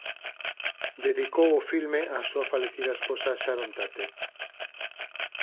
Dedicou o filme á súa falecida esposa Sharon Tate.